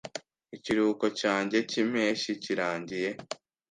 Ikiruhuko cyanjye cyimpeshyi kirangiye.